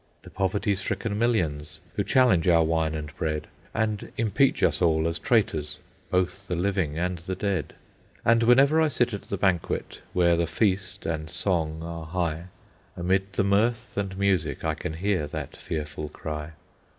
The poverty stricken millions Who challenge our wine and bread, And impeach us all as traitors, Both the living and the dead. And whenever I sit at the banquet, Where the feast and song are high, Amid the mirth and music I can hear that fearful cry.